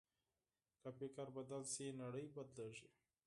که فکر بدل شي، نړۍ بدلېږي.